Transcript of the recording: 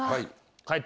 解答